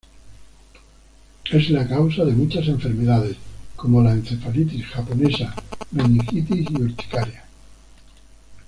Es la causa de muchas enfermedades, como la encefalitis japonesa, meningitis y urticaria.